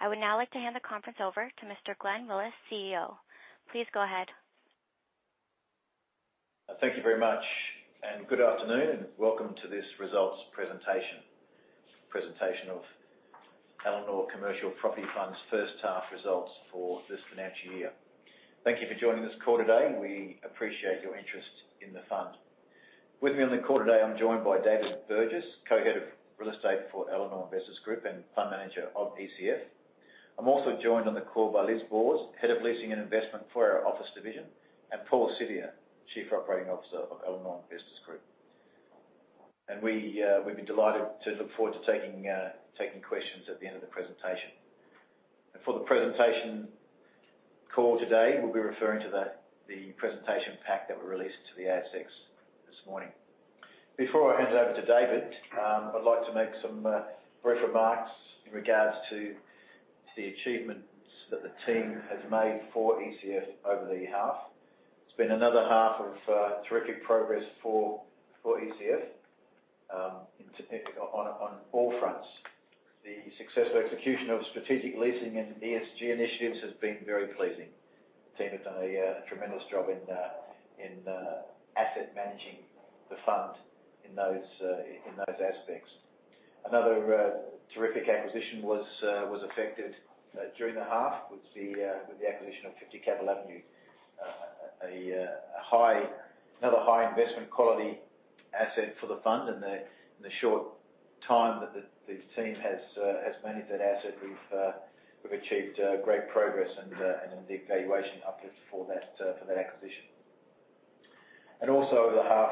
I would now like to hand the conference over to Mr. Glenn Willis, CEO. Please go ahead. Thank you very much, and good afternoon, and welcome to this results presentation of Elanor Commercial Property Fund's first half results for this financial year. Thank you for joining this call today. We appreciate your interest in the fund. With me on the call today, I'm joined by David Burgess, Co-Head of Real Estate for Elanor Investors Group and fund manager of ECF. I'm also joined on the call by Liz Boors, Head of Leasing and Investment for our office division, and Paul Siviour, Chief Operating Officer of Elanor Investors Group. We’ve been delighted to look forward to taking questions at the end of the presentation. For the presentation call today, we'll be referring to the presentation pack that were released to the ASX this morning. Before I hand it over to David, I'd like to make some brief remarks in regards to the achievements that the team has made for ECF over the half. It's been another half of terrific progress for ECF in particular on all fronts. The successful execution of strategic leasing and ESG initiatives has been very pleasing. The team has done a tremendous job in asset managing the fund in those aspects. Another terrific acquisition was effected during the half with the acquisition of 50 Cavill Avenue. Another high investment quality asset for the fund. In the short time that the team has managed that asset, we've achieved great progress and the valuation uplift for that acquisition. Also over the half,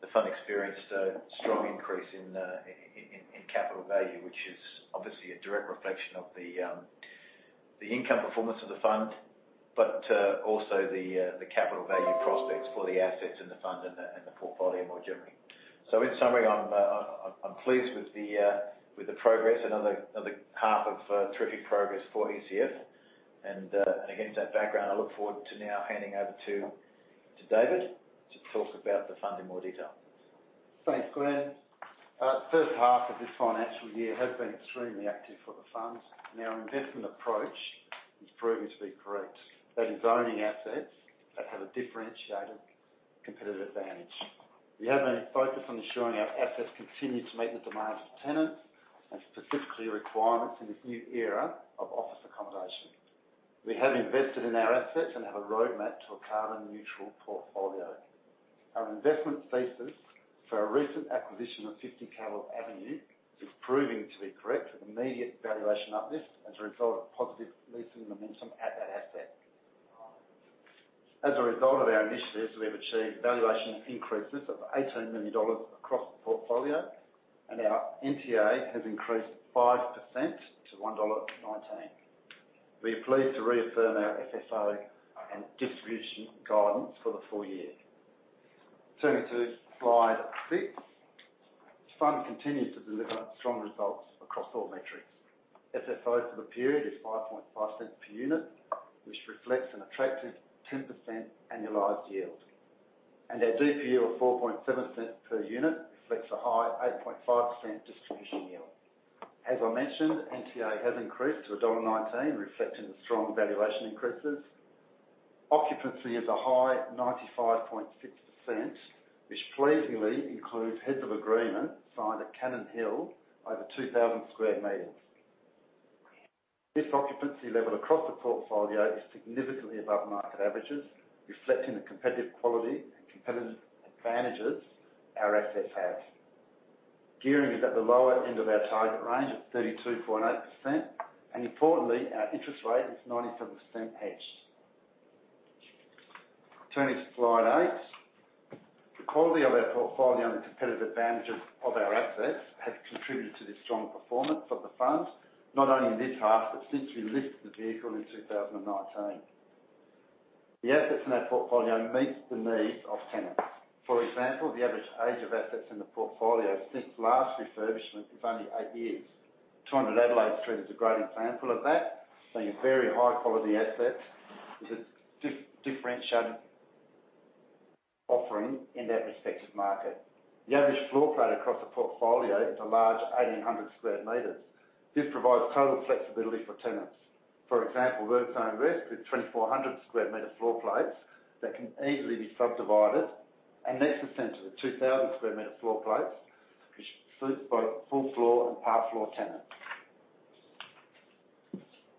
the fund experienced a strong increase in capital value, which is obviously a direct reflection of the income performance of the fund, but also the capital value prospects for the assets in the fund and the portfolio more generally. In summary, I'm pleased with the progress. Another half of terrific progress for ECF. Against that background, I look forward to now handing over to David to talk about the fund in more detail. Thanks, Glenn. First half of this financial year has been extremely active for the funds. Now, investment approach has proven to be correct, that is owning assets that have a differentiated competitive advantage. We have a focus on ensuring our assets continue to meet the demands of tenants and specific requirements in this new era of office accommodation. We have invested in our assets and have a roadmap to a carbon neutral portfolio. Our investment thesis for our recent acquisition of 50 Cavill Avenue is proving to be correct with immediate valuation uplift as a result of positive leasing momentum at that asset. As a result of our initiatives, we have achieved valuation increases of 18 million dollars across the portfolio, and our NTA has increased 5% to 1.19 dollar. We are pleased to reaffirm our FFO and distribution guidance for the full year. Turning to Slide 6. This fund continues to deliver strong results across all metrics. FFO for the period is 0.055 per unit, which reflects an attractive 10% annualized yield. Our DPU of 0.047 per unit reflects a high 8.5% distribution yield. As I mentioned, NTA has increased to 1.19 dollar, reflecting the strong valuation increases. Occupancy is a high 95.6%, which pleasingly includes heads of agreement signed at Cannon Hill over 2,000 sq m. This occupancy level across the portfolio is significantly above market averages, reflecting the competitive quality and competitive advantages our assets have. Gearing is at the lower end of our target range of 32.8%, and importantly, our interest rate is 97% hedged. Turning to Slide 8. The quality of our portfolio and the competitive advantages of our assets has contributed to the strong performance of the fund, not only in this half, but since we listed the vehicle in 2019. The assets in our portfolio meet the needs of tenants. For example, the average age of assets in the portfolio since last refurbishment is only eight years. 200 Adelaide Street is a great example of that, being a very high quality asset with a differentiated offering in that respective market. The average floor plate across the portfolio is a large 1,800 sq m. This provides total flexibility for tenants. For example, WorkZone West with 2,400 sq m floor plates that can easily be subdivided, and Nexus Centre with 2,000 sq m floor plates, which suits both full floor and half floor tenants.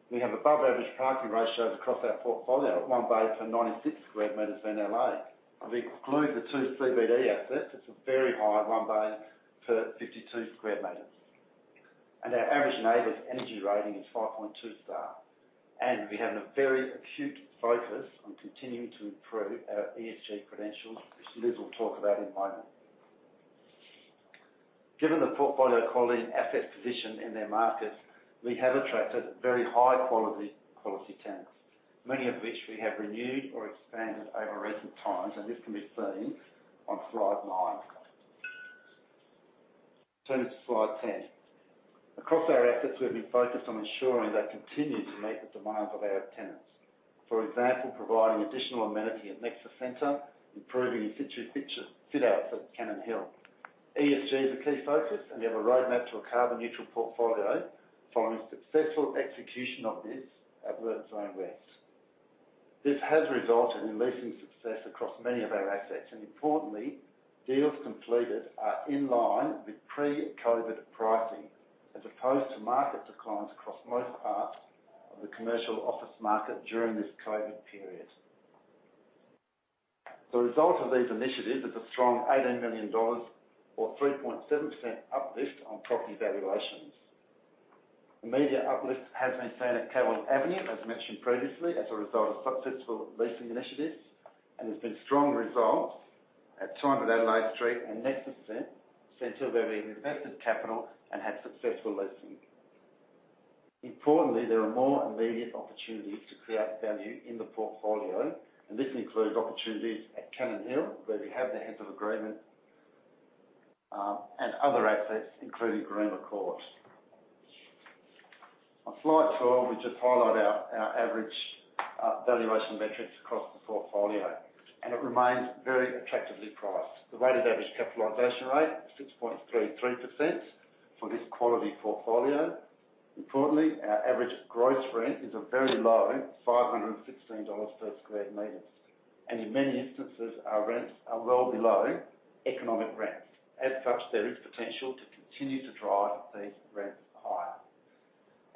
We have above average parking ratios across our portfolio at 1 bay for 96 sq m in L.A. If we include the two CBD assets, it's a very high 1 bay per 52 sq m. Our average NABERS energy rating is 5.2 star, and we have a very acute focus on continuing to improve our ESG credentials, which Liz will talk about in a moment. Given the portfolio quality and assets position in their markets, we have attracted very high quality tenants, many of which we have renewed or expanded over recent times, and this can be seen on Slide 9. Turning to Slide 10. Across our assets, we've been focused on ensuring they continue to meet the demands of our tenants. For example, providing additional amenity at Nexus Centre, improving fit outs at Cannon Hill. ESG is a key focus, and we have a roadmap to a carbon neutral portfolio following successful execution of this at WorkZone West. This has resulted in leasing success across many of our assets, and importantly, deals completed are in line with pre-COVID pricing, as opposed to market declines across most parts of the commercial office market during this COVID period. The result of these initiatives is a strong AUD 18 million or 3.7% uplift on property valuations. Immediate uplift has been seen at Cavill Avenue, as mentioned previously, as a result of successful leasing initiatives, and there's been strong results at 200 Adelaide Street and Nexus Centre where we have invested capital and had successful leasing. Importantly, there are more immediate opportunities to create value in the portfolio, and this includes opportunities at Cannon Hill, where we have the heads of agreement, and other assets, including Garema Court. On Slide 12, we just highlight our average valuation metrics across the portfolio, and it remains very attractively priced. The weighted average capitalization rate, 6.33% for this quality portfolio. Importantly, our average gross rent is a very low 516 dollars per sq m, and in many instances our rents are well below economic rents. As such, there is potential to continue to drive these rents higher.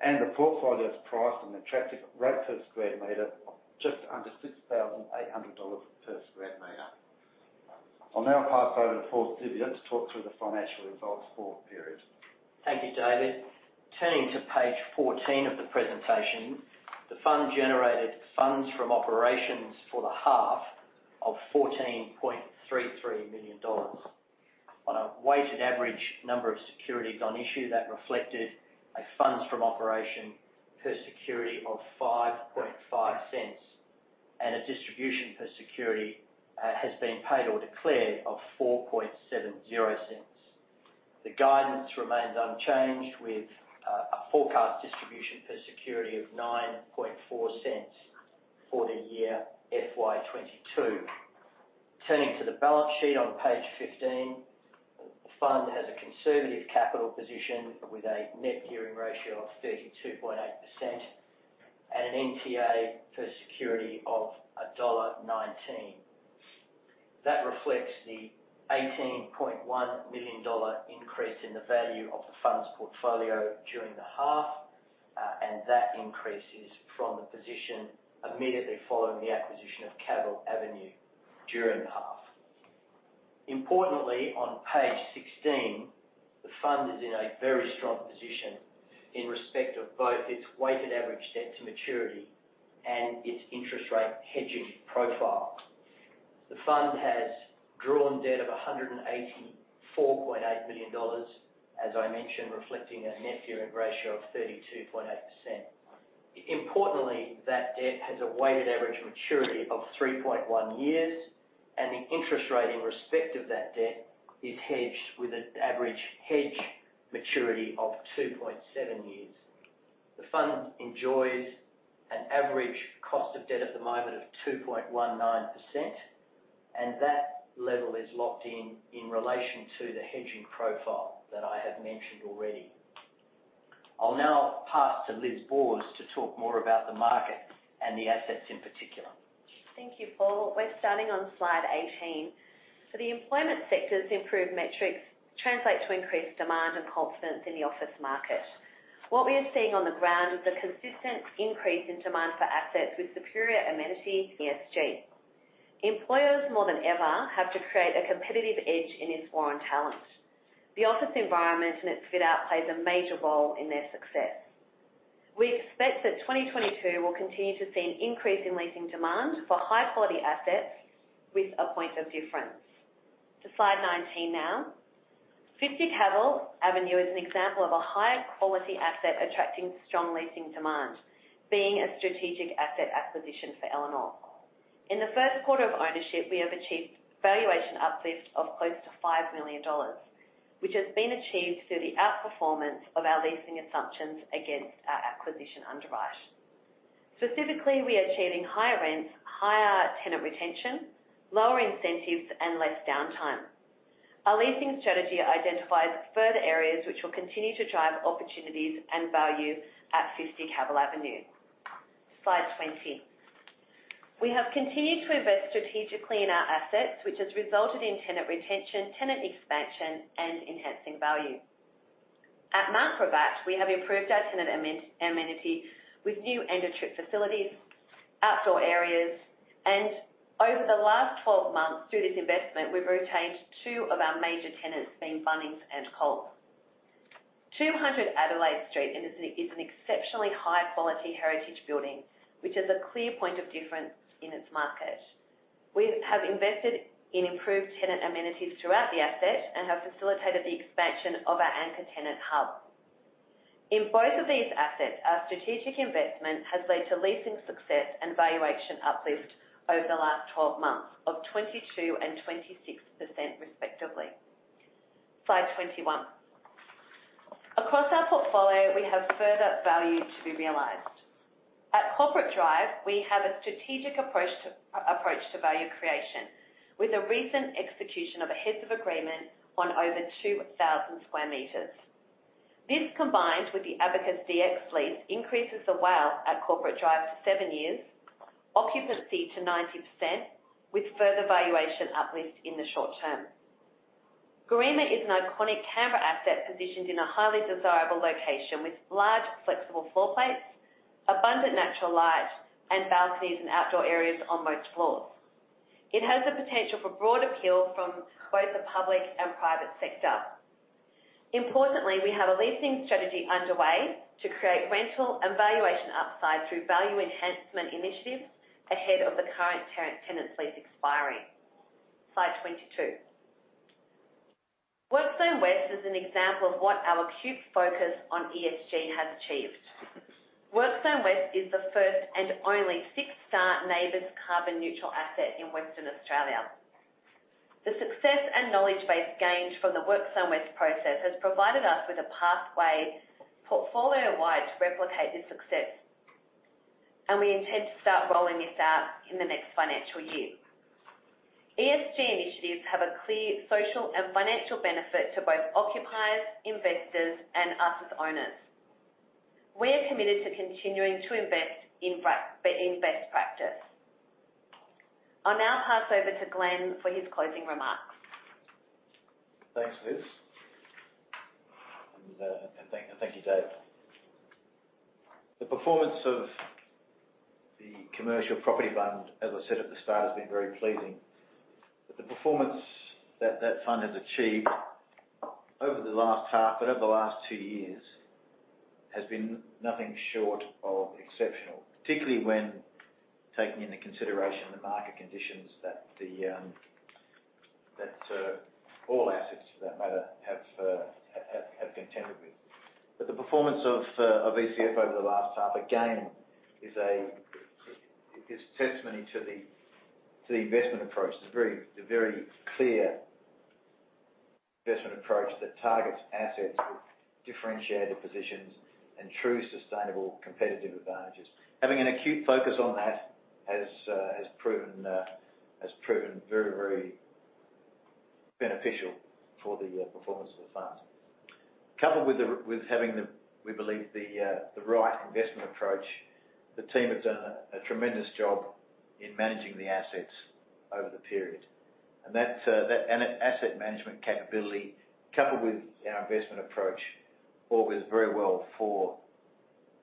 The portfolio is priced, an attractive rate per sq m of just under 6,800 dollars per sq m. I'll now pass over to Paul Siviour to talk through the financial results for the period. Thank you, David. Turning to Page 14 of the presentation, the fund generated funds from operations for the half of 14.33 million dollars. On a weighted average number of securities on issue that reflected a funds from operation per security of 5.5, and a distribution per security has been paid or declared of 4.7. The guidance remains unchanged with a forecast distribution per security of 9.4 for the year FY 2022. Turning to the balance sheet on Page 15. The fund has a conservative capital position with a net gearing ratio of 32.8% and an NTA per security of dollar 1.19. That reflects the 18.1 million dollar increase in the value of the fund's portfolio during the half, and that increase is from the position immediately following the acquisition of Cavill Avenue during the half. Importantly, on Page 16, the fund is in a very strong position in respect of both its weighted average debt to maturity and its interest rate hedging profile. The fund has drawn debt of 184.8 million dollars, as I mentioned, reflecting a net gearing ratio of 32.8%. Importantly, that debt has a weighted average maturity of 3.1 years, and the interest rate in respect of that debt is hedged with an average hedge maturity of 2.7 years. The fund enjoys an average cost of debt at the moment of 2.19%, and that level is locked in in relation to the hedging profile that I have mentioned already. I'll now pass to Liz Boors to talk more about the market and the assets in particular. Thank you, Paul. We're starting on Slide 18. For the employment sectors, improved metrics translate to increased demand and confidence in the office market. What we are seeing on the ground is a consistent increase in demand for assets with superior amenity ESG. Employers, more than ever, have to create a competitive edge in attracting foreign talent. The office environment and its fit out plays a major role in their success. We expect that 2022 will continue to see an increase in leasing demand for high-quality assets with a point of difference. To Slide 19 now. 50 Cavill Avenue is an example of a high-quality asset attracting strong leasing demand, being a strategic asset acquisition for Elanor. In the first quarter of ownership, we have achieved valuation uplift of close to 5 million dollars, which has been achieved through the outperformance of our leasing assumptions against our acquisition underwrite. Specifically, we are achieving higher rents, higher tenant retention, lower incentives, and less downtime. Our leasing strategy identifies further areas which will continue to drive opportunities and value at 50 Cavill Avenue. Slide 20. We have continued to invest strategically in our assets, which has resulted in tenant retention, tenant expansion, and enhancing value. At Mount Gravatt, we have improved our tenant amenity with new end-of-trip facilities, outdoor areas, and over the last 12 months through this investment, we've retained two of our major tenants being Bunnings and Coles. 200 Adelaide Street is an exceptionally high-quality heritage building, which is a clear point of difference in its market. We have invested in improved tenant amenities throughout the asset and have facilitated the expansion of our anchor tenant hub. In both of these assets, our strategic investment has led to leasing success and valuation uplift over the last 12 months of 22% and 26% respectively. Slide 21. Across our portfolio, we have further value to be realized. At Corporate Drive, we have a strategic approach to value creation, with a recent execution of a heads of agreement on over 2,000 sq m. This, combined with the Abacus dx lease, increases the WALE at Corporate Drive to seven years, occupancy to 90% with further valuation uplift in the short term. Garema is an iconic Canberra asset positioned in a highly desirable location with large, flexible floor plates, abundant natural light, and balconies and outdoor areas on most floors. It has the potential for broad appeal from both the public and private sector. Importantly, we have a leasing strategy underway to create rental and valuation upside through value enhancement initiatives ahead of the current 10-tenancy lease expiry. Slide 22. WorkZone West is an example of what our acute focus on ESG has achieved. WorkZone West is the first and only six-star NABERS carbon neutral asset in Western Australia. The success and knowledge base gained from the WorkZone West process has provided us with a pathway portfolio-wide to replicate this success, and we intend to start rolling this out in the next financial year. ESG initiatives have a clear social and financial benefit to both occupiers, investors and us as owners. We are committed to continuing to invest in best practice. I'll now pass over to Glenn for his closing remarks. Thanks, Liz. Thank you, Dave. The performance of the commercial property fund, as I said at the start, has been very pleasing. The performance that fund has achieved over the last half, over the last two years, has been nothing short of exceptional, particularly when taking into consideration the market conditions that the all assets for that matter have contended with. The performance of ECF over the last half, again, is testimony to the investment approach. The very clear investment approach that targets assets with differentiated positions and true sustainable competitive advantages. Having an acute focus on that has proven very beneficial for the performance of the fund. Coupled with having the right investment approach, the team has done a tremendous job in managing the assets over the period. That asset management capability, coupled with our investment approach, bodes very well for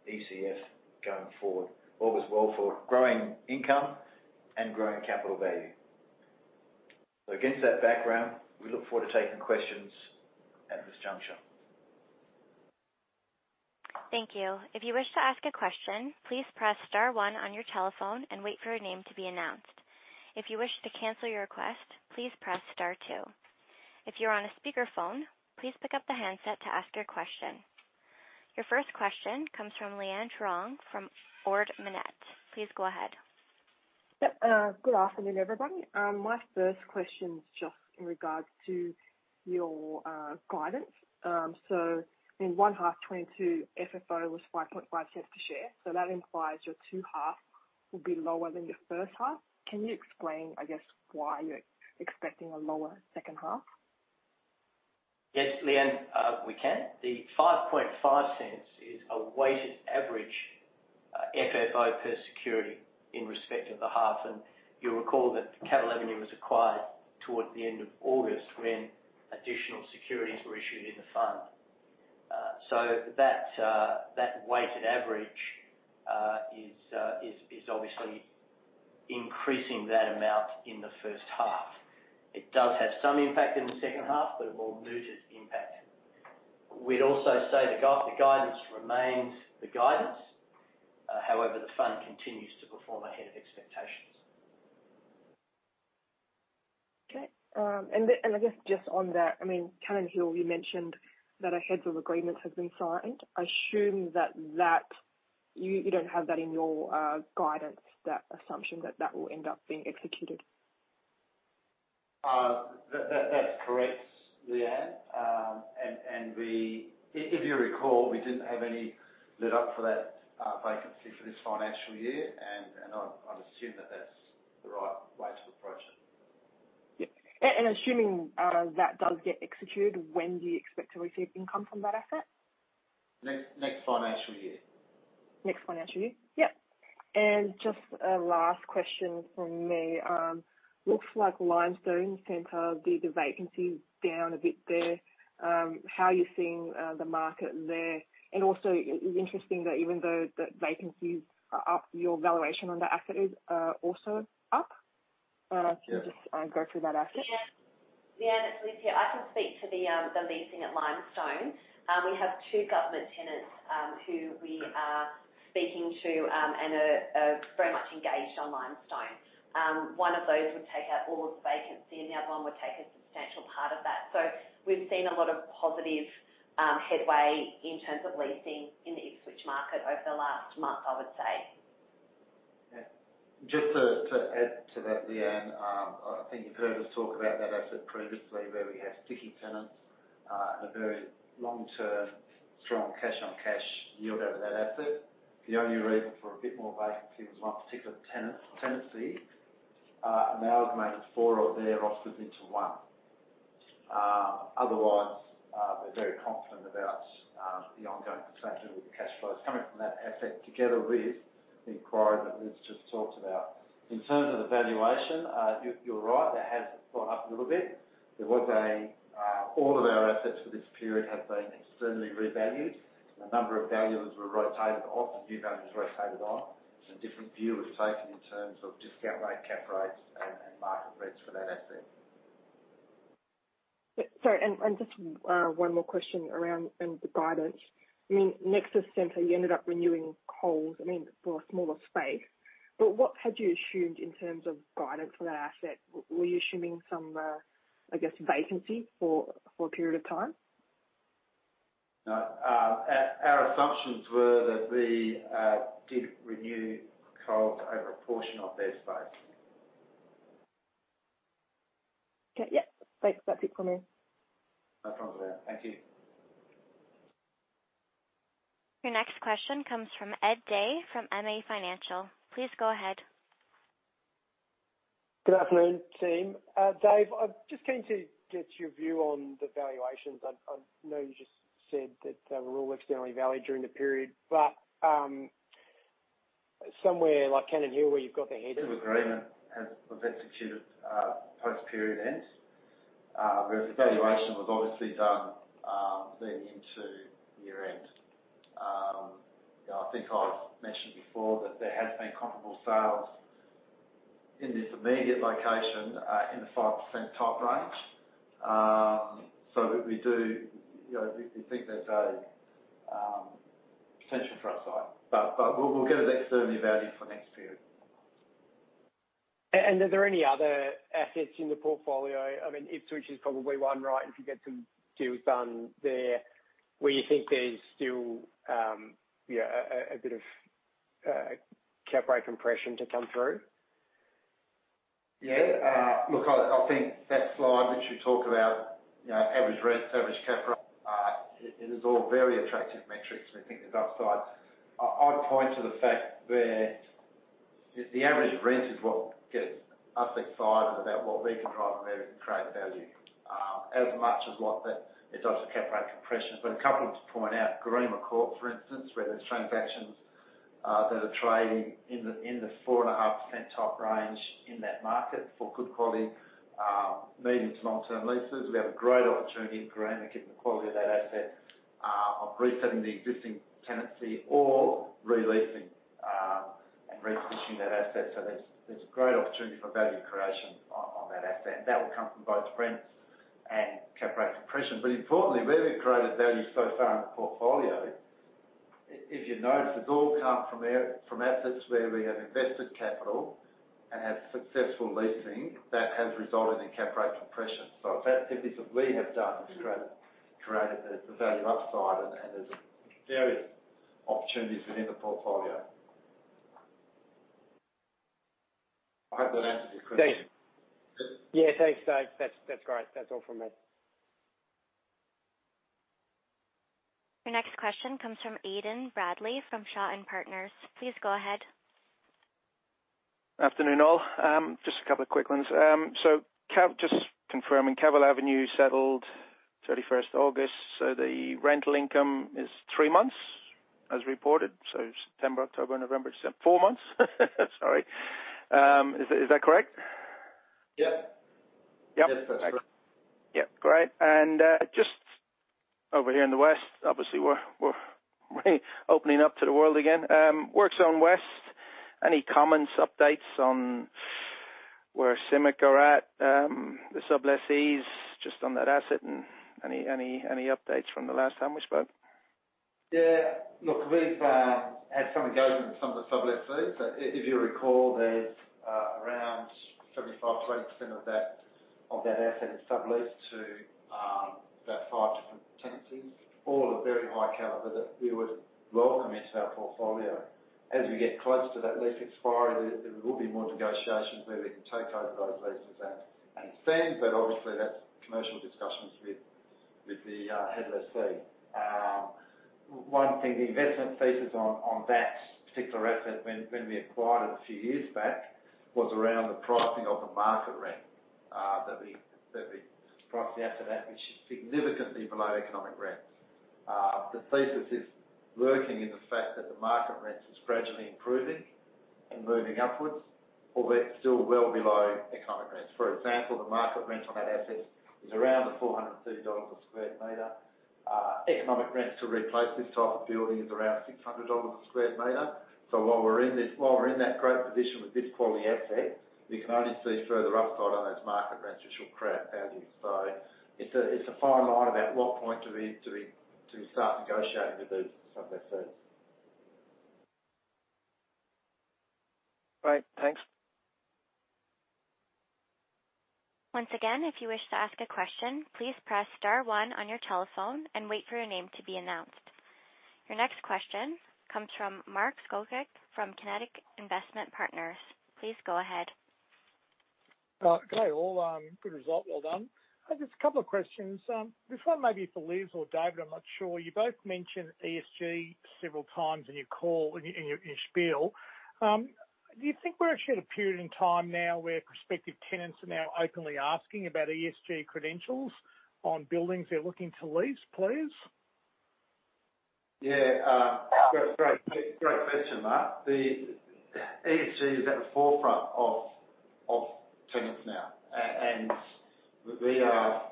ECF going forward. All goes well for growing income and growing capital value. Against that background, we look forward to taking questions at this juncture. Thank you. If you wish to ask a question, please press star one on your telephone and wait for your name to be announced. If you wish to cancel your request, please press star two. If you are on a speakerphone, please pick up the handset to ask your question. Your first question comes from Leanne Truong from Ord Minnett. Please go ahead. Good afternoon, everybody. My first question is just in regards to your guidance. In 1H 2022, FFO was 5.5 per share. That implies the second half will be lower than the first half. Can you explain, I guess, why you're expecting a lower second half? Yes, Leanne, we can. The 5.5 is a weighted average FFO per security in respect of the half. You'll recall that Cavill Avenue was acquired towards the end of August when additional securities were issued in the fund. That weighted average is obviously increasing that amount in the first half. It does have some impact in the second half, but a more muted impact. We'd also say the guidance remains the guidance, however, the fund continues to perform ahead of expectations. Okay. I guess just on that, I mean, Cannon Hill, you mentioned that a heads of agreements has been signed. I assume that you don't have that in your guidance, that assumption that will end up being executed. That's correct, Leanne. If you recall, we didn't have any let up for that vacancy for this financial year. I'd assume that that's the right way to approach it. Assuming that does get executed, when do you expect to receive income from that asset? Next financial year. Next financial year? Yeah. Just a last question from me. Looks like Limestone Center, the vacancy down a bit there. How are you seeing the market there? And also, it's interesting that even though the vacancy's up, your valuation on the asset is also up. Yeah. Can you just go through that asset? Leanne. Leanne, it's Liz here. I can speak to the leasing at Limestone. We have two government tenants who we are speaking to and are very much engaged on Limestone. One of those would take up all of the vacancy, and the other one would take a substantial part of that. We've seen a lot of positive headway in terms of leasing in the Ipswich market over the last month, I would say. Yeah. Just to add to that, Leanne, I think you've heard us talk about that asset previously where we have sticky tenants and a very long term, strong cash on cash yield out of that asset. The only reason for a bit more vacancy was one particular tenant, tenancy, and they have merged four of their offices into one. Otherwise, we're very confident about the ongoing potential with the cash flows coming from that asset together with the inquiry that Liz just talked about. In terms of the valuation, you're right. It has gone up a little bit. All of our assets for this period have been externally revalued. A number of valuers were rotated off, the new valuers rotated on. It's a different view of safety in terms of discount rate, cap rates and market rents for that asset. Yeah. Sorry, and just one more question around the guidance. I mean, Nexus Centre, you ended up renewing Coles, I mean, for a smaller space. What had you assumed in terms of guidance for that asset? Were you assuming some, I guess, vacancy for a period of time? No. Our assumptions were that we did renew Coles over a portion of their space. Okay. Yeah. Thanks. That's it from me. No problems there. Thank you. Your next question comes from Ed Day from MA Financial. Please go ahead. Good afternoon, team. Dave, I'm just keen to get your view on the valuations. I know you just said that they were all externally valued during the period, but somewhere like Cannon Hill where you've got the head- The agreement was executed post period end. Whereas the valuation was obviously done leading into year-end. I think I've mentioned before that there has been comparable sales in this immediate location in the 5% top range. We do, you know, think there's a potential for upside. We'll get it externally valued for next period. Are there any other assets in the portfolio? I mean, Ipswich is probably one, right, if you get some deals done there, where you think there's still yeah, a bit of cap rate compression to come through? Yeah. Look, I think that slide which we talk about, you know, average rent, average cap rate, it is all very attractive metrics. We think there's upside. I'd point to the fact where the average rent is what gets us excited about what we can drive and where we can create value, as much as the cap rate compression. A couple to point out, Garema Court, for instance, where there's transactions that are trading in the 4.5% type range in that market for good quality, medium to long term leases. We have a great opportunity in Garema, given the quality of that asset, of resetting the existing tenancy or re-leasing, and repositioning that asset. There's a great opportunity for value creation on that asset, and that will come from both rents and cap rate compression. Importantly, where we've created value so far in the portfolio, if you notice, it's all come from assets where we have invested capital and have successful leasing that has resulted in cap rate compression. It's activities that we have done to create the value upside and there's various opportunities within the portfolio. I hope that answers your question. Dave. Yep. Yeah. Thanks, David. That's great. That's all from me. Your next question comes from Aiden Bradley from Shaw and Partners. Please go ahead. Afternoon, all. Just a couple of quick ones. Just confirming, Cavill Avenue settled 31st August, so the rental income is three months as reported, so September, October, November. Four months. Sorry. Is that correct? Yeah. Yep. That's correct. Yeah. Great. Just over here in the west, obviously we're really opening up to the world again. WorkZone West, any comments, updates on where CIMIC are at, the sublessees just on that asset and any updates from the last time we spoke? Yeah. Look, we've had some engagement with some of the sublessees. If you recall, there's around 75%-20% of that asset is sublet to about five different tenancies, all of very high caliber that we would welcome into our portfolio. As we get close to that lease expiry, there will be more negotiations where we can take over those leases and extend. Obviously, that's commercial discussions with the head lessee. One thing, the investment thesis on that particular asset when we acquired it a few years back, was around the pricing of the market rent that we priced the asset at, which is significantly below economic rents. The thesis is working in the fact that the market rents is gradually improving and moving upwards, albeit still well below economic rents. For example, the market rent on that asset is around 430 dollars a sq m. Economic rents to replace this type of building is around 600 dollars a sq m. While we're in that great position with this quality asset, we can only see further upside on those market rents, which will create value. It's a fine line about what point do we start negotiating with those sublessees. Great. Thanks. Once again, if you wish to ask a question, please press star one on your telephone and wait for your name to be announced. Your next question comes from Mark Skoczek from Kinetic Investment Partners. Please go ahead. Good day, all. Good result. Well done. I have just a couple of questions. This one may be for Liz or David, I'm not sure. You both mentioned ESG several times in your call, in your spiel. Do you think we're actually at a period in time now where prospective tenants are now openly asking about ESG credentials on buildings they're looking to lease, please? Great question, Mark. The ESG is at the forefront of tenants now. We are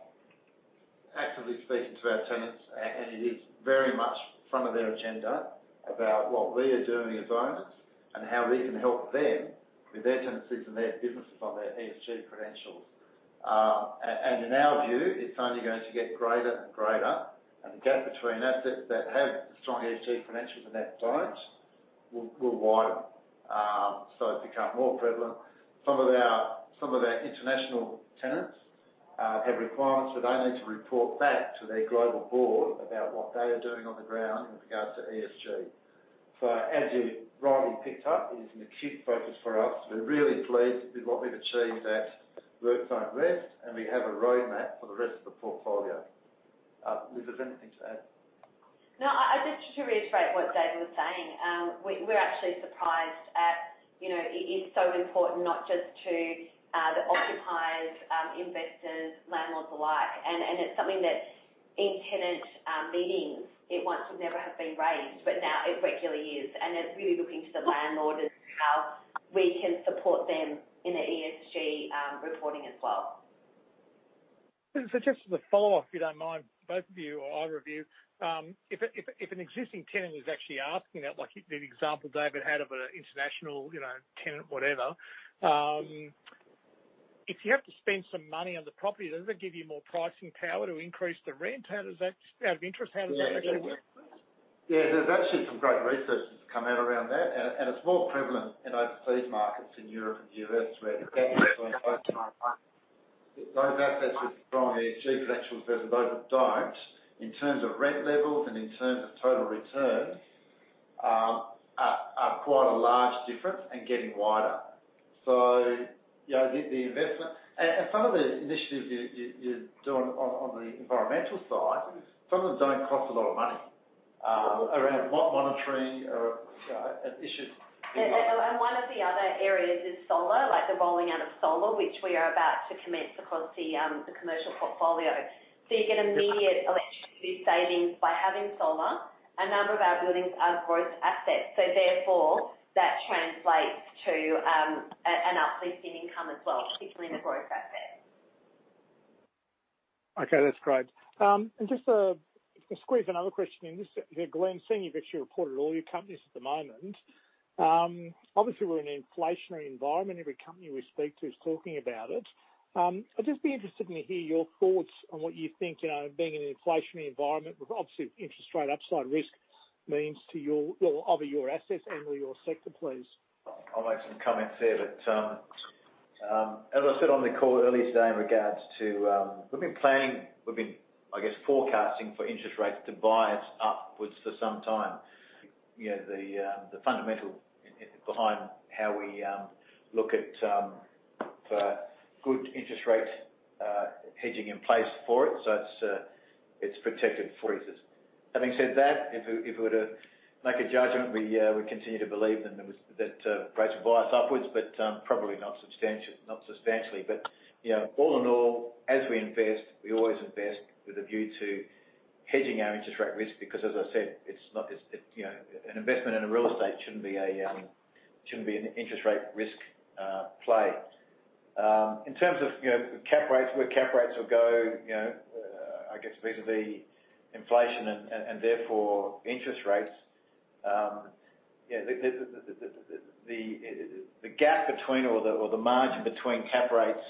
actively speaking to our tenants, and it is very much front of their agenda about what we are doing as owners and how we can help them with their tenancies and their businesses on their ESG credentials. In our view, it's only going to get greater and greater, and the gap between assets that have strong ESG credentials and that don't will widen. So it's become more prevalent. Some of our international tenants have requirements that they need to report back to their global board about what they are doing on the ground with regards to ESG. As you rightly picked up, it is an acute focus for us. We're really pleased with what we've achieved at WorkZone West, and we have a roadmap for the rest of the portfolio. Liz, has anything to add? No. Just to reiterate what David was saying, we're actually surprised at, you know, it is so important not just to the occupiers, investors, landlords alike. It's something that in tenant meetings, it once would never have been raised, but now it regularly is. It's really looking to the landlord as to how we can support them in their ESG reporting as well. Just as a follow-up, if you don't mind, both of you or either of you, if an existing tenant is actually asking, like the example David had of an international, you know, tenant, whatever, if you have to spend some money on the property, does that give you more pricing power to increase the rent? Out of interest, how does that actually work? Yeah. There's actually some great research that's come out around that, and it's more prevalent in overseas markets in Europe and the U.S. where Yeah. Those assets with strong ESG credentials versus those that don't in terms of rent levels and in terms of total returns are quite a large difference and getting wider. You know, the investment and some of the initiatives you're doing on the environmental side, some of them don't cost a lot of money around monitoring or, you know, issues. One of the other areas is solar, like the rolling out of solar, which we are about to commence across the commercial portfolio. You get immediate electricity savings by having solar. A number of our buildings are growth assets, so therefore, that translates to an uplift in income as well, particularly in a growth asset. Okay, that's great. Just to squeeze another question in this, Glenn, seeing you've actually reported all your companies at the moment, obviously we're in an inflationary environment. Every company we speak to is talking about it. I'd just be interested to hear your thoughts on what you think, you know, being in an inflationary environment with obviously interest rate upside risk means to your assets and/or your sector, please. I'll make some comments there. As I said on the call earlier today in regards to, we've been planning. We've been, I guess, forecasting for interest rates to bias upwards for some time. You know, the fundamental behind how we look at good interest rates hedging in place for it, so it's protected for us. Having said that, if we were to make a judgment, we continue to believe that rates will bias upwards, but probably not substantially. You know, all in all, as we invest, we always invest with a view to hedging our interest rate risk because, as I said, it's not. It's, you know, an investment in a real estate shouldn't be an interest rate risk play. In terms of, you know, cap rates, where cap rates will go, you know, I guess vis-a-vis inflation and therefore interest rates, yeah, the gap between or the margin between cap rates,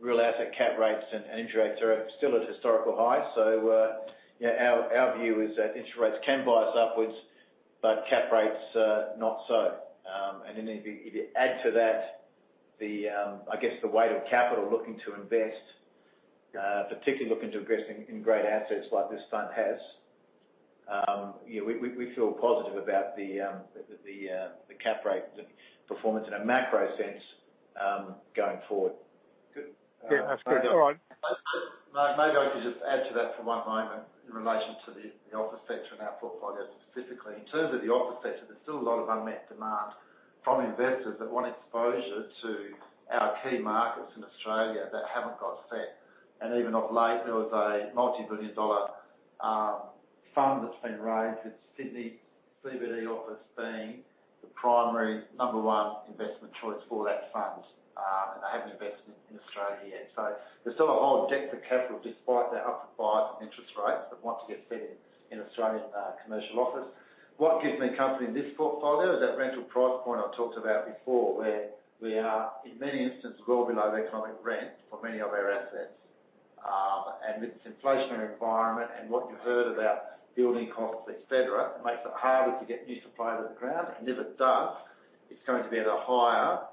real asset cap rates and interest rates are still at historical highs. You know, our view is that interest rates can bias upwards, but cap rates not so. If you add to that, I guess the weight of capital looking to invest, particularly looking to invest in great assets like this fund has, you know, we feel positive about the cap rate performance in a macro sense, going forward. Good. Yeah, that's good. All right. Mark, maybe I could just add to that for one moment in relation to the office sector and our portfolio specifically. In terms of the office sector, there's still a lot of unmet demand from investors that want exposure to our key markets in Australia that haven't got set. Even of late, there was a multi-billion-dollar fund that's been raised with Sydney CBD office being the primary number one investment choice for that fund, and they haven't invested in Australia yet. There's still a whole depth of capital, despite the upward bias in interest rates, that want to get fed in Australian commercial office. What gives me comfort in this portfolio is that rental price point I talked about before, where we are, in many instances, well below economic rent for many of our assets. With this inflationary environment and what you heard about building costs, et cetera, it makes it harder to get new supply to the ground. If it does, it's going to be at a higher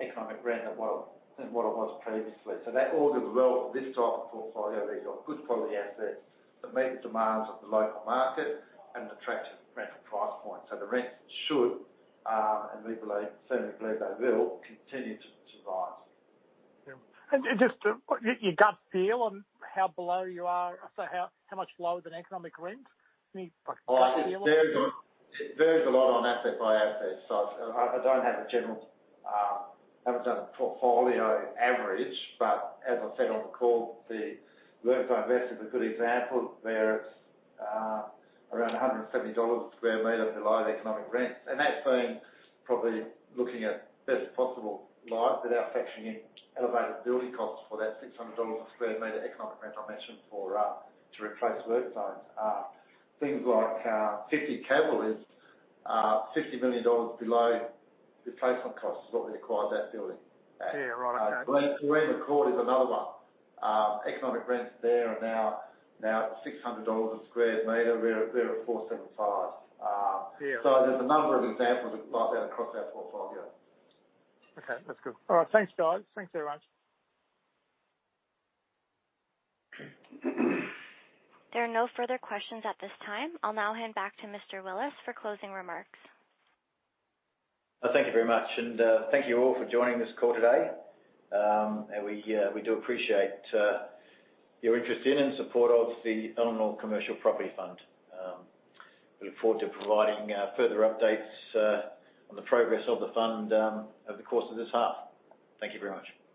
economic rent than what it was previously. That all bodes well for this type of portfolio. We've got good quality assets that meet the demands of the local market and attractive rental price point. The rents should, and we believe, certainly believe they will, continue to rise. Just your gut feel on how below you are, so how much lower than economic rent? Any gut feel on that? It varies a lot on asset by asset. I haven't done a portfolio average, but as I said on the call, the WorkZone West is a good example where it's around AUD 170 sq m below the economic rent. That's been probably looking at best possible light without factoring in elevated building costs for that 600 dollars sq m economic rent I mentioned for to replace WorkZone. Things like 50 Cavill is 50 million dollars below replacement cost is what we acquired that building at. Yeah. Right. Okay. Serene McCord is another one. Economic rents there are now 600 dollars sq m. We're at 475. Yeah. There's a number of examples like that across our portfolio. Okay, that's good. All right. Thanks, guys. Thanks very much. There are no further questions at this time. I'll now hand back to Mr. Willis for closing remarks. Thank you very much, and thank you all for joining this call today. We do appreciate your interest in and support of the Elanor Commercial Property Fund. We look forward to providing further updates on the progress of the fund over the course of this half. Thank you very much.